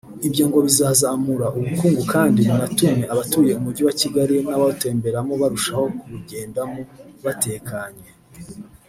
Ibyo ngo bizazamura ubukungu kandi binatume abatuye umujyi wa Kigali n’abawutemberamo barushaho kuwujyendamo batekanye